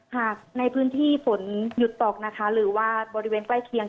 หากในพื้นที่ฝนหยุดตกนะคะหรือว่าบริเวณใกล้เคียง